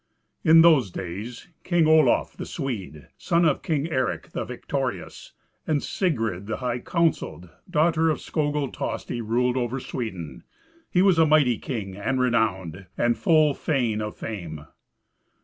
In those days King Olaf the Swede, son of King Eric the Victorious, and Sigrid the High counselled, daughter of Skogul Tosti, ruled over Sweden. He was a mighty king and renowned, and full fain of fame.